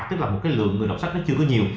tức là một cái lượng người đọc sách nó chưa có nhiều